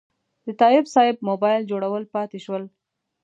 د تایب صیب موبایل جوړول پاتې شول.